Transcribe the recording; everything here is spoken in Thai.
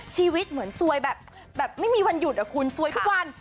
ชีวิตเหมือนซวยแบบไม่มีวันหยุดอะคุณซวยทุกวัน